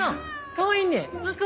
かわいい。